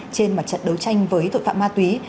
trên mặt trận đấu tranh với tội phạm ma túy